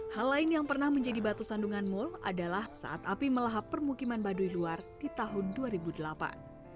hal lain yang pernah menjadi batu sandungan mul adalah saat api melahap permukiman baduy luar di tahun dua ribu delapan